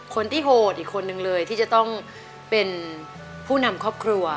คนที่โหดอีกคนนึงเลยที่จะต้องเป็นผู้นำครอบครัว